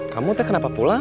kamu kan kenapa pulang